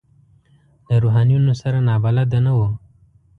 له روحانیونو سره نابلده نه وو.